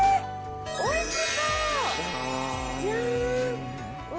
おいしそう。